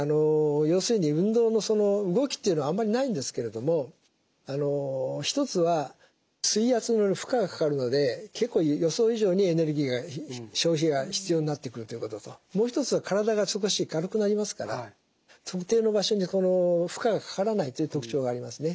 要するに運動の動きというのあんまりないんですけれども一つは水圧による負荷がかかるので結構予想以上にエネルギーが消費が必要になってくるということともう一つは体が少し軽くなりますから特定の場所に負荷がかからないという特徴がありますね。